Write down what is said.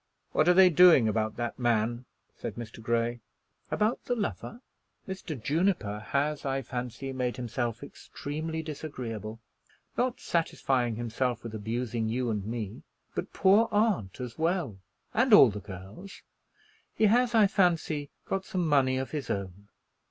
"What are they doing about that man?" said Mr. Grey. "About the lover? Mr. Juniper has, I fancy, made himself extremely disagreeable, not satisfying himself with abusing you and me, but poor aunt as well, and all the girls. He has, I fancy, got some money of his own."